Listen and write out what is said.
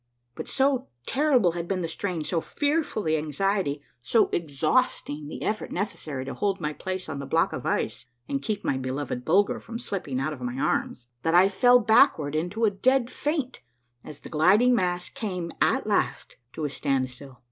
But so terrible had been the strain, so fearful the anxiety, so exhausting the effort necessary to hold my place on the block of ice, and keep my beloved Bulger from slipping out of my arms, that I fell backward into a dead faint as the gliding mass came, at last, to a standstill.